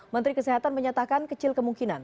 menteri kesehatan menyatakan kecil kemungkinan